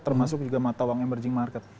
termasuk juga mata uang emerging market